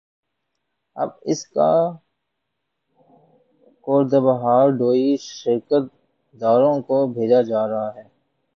اب اسکا code hardware شراکت داروں کو بھیجا جارہا ہے